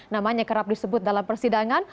namanya kerap disebut dalam persidangan